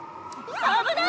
危ない！